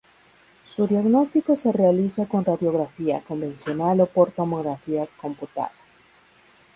Su diagnóstico se realiza con radiografía convencional o por tomografía computada.